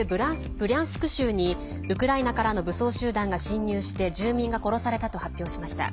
ブリャンスク州にウクライナからの武装集団が侵入して住民が殺されたと発表しました。